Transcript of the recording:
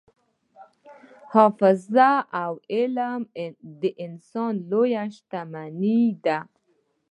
حافظه او علم د انسان لویې شتمنۍ دي.